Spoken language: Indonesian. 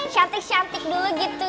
syantik syantik dulu gitu